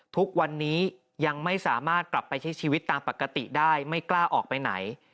ทุกวันนี้ยังไม่สามารถกลับไปใช้ชีวิตตามปกติได้ไม่กล้าออกไปไหน